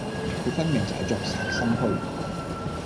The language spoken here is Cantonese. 佢分明就係作賊心虛